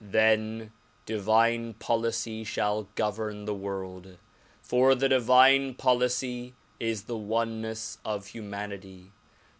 Then divine policy shall govern the world ; for the divine policy is the oneness of humanity.